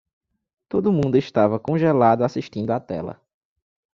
Todo mundo estava congelado assistindo a tela.